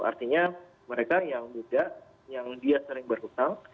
artinya mereka yang muda yang dia sering berhutang